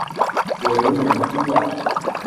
我有点心软